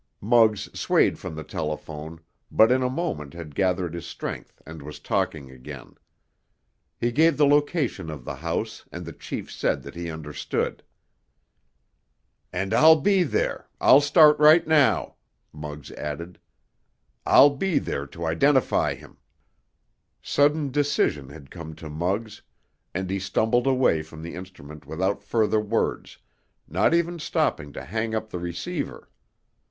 Muggs swayed from the telephone, but in a moment had gathered his strength and was talking again. He gave the location of the house, and the chief said that he understood. "And I'll be there—I'll start right now," Muggs added. "I'll be there to identify him." Sudden decision had come to Muggs, and he stumbled away from the instrument without further words, not even stopping to hang up the receiver.